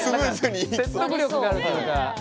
何か説得力があるというか。